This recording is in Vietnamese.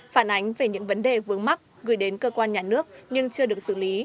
phản ánh về những vấn đề vướng mắt gửi đến cơ quan nhà nước nhưng chưa được xử lý